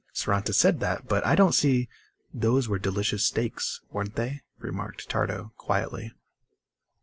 "Saranta said that. But I don't see ..." "Those were delicious steaks, weren't they?" remarked Tardo quietly.